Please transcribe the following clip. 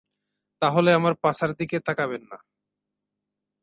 তাহলে আমার পাছার দিকে তাকাবেন না!